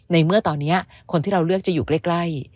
ในเมื่อตอนนี้คนที่เราเลือกจะอยู่ใกล้